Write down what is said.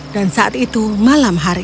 dan saat itu malam hari